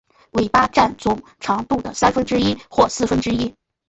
尾巴占总长度的三分之一或四分之一。